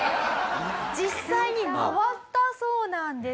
実際に回ったそうなんです。